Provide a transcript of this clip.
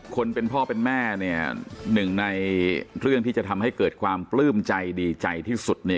คนเป็นพ่อเป็นแม่เนี่ยหนึ่งในเรื่องที่จะทำให้เกิดความปลื้มใจดีใจที่สุด